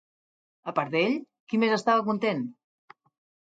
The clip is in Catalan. A part d'ell, qui més estava content?